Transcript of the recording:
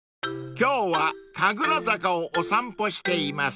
［今日は神楽坂をお散歩しています］